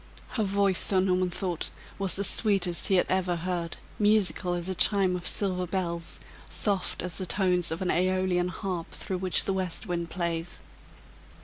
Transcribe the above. Her voice, Sir Norman thought, was the sweetest he had ever heard, musical as a chime of silver bells, soft as the tones of an aeolian harp through which the west wind plays.